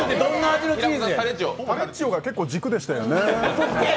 タレッジオが結構軸でしたよね。